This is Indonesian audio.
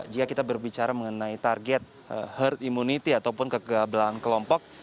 jika kita berbicara mengenai target herd immunity ataupun kegabelan kelompok